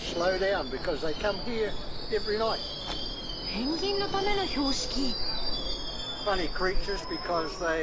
ペンギンのための標識！